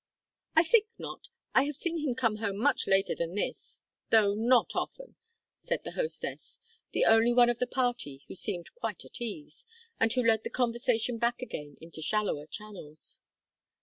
"I think not. I have seen him come home much later than this though not often," said the hostess, the only one of the party who seemed quite at ease, and who led the conversation back again into shallower channels.